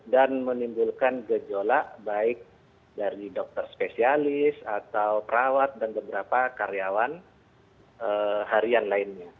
dan menimbulkan gejolak baik dari dokter spesialis atau perawat dan beberapa karyawan